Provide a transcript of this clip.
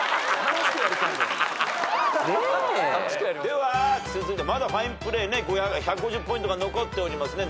では続いてまだファインプレー１５０ポイントが残っております難問が。